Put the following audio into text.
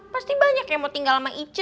pasti banyak yang mau tinggal sama ice